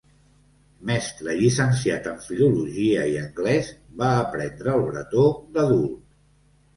Mestre llicenciat en filologia i anglès, va aprendre el bretó d'adult.